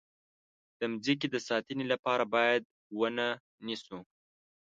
د مځکې د ساتنې لپاره باید ونه نیسو.